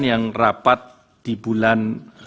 yang rapat di bulan